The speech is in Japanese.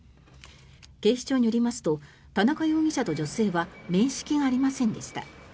警視庁によりますと田中容疑者と女性は面識がありませんでした。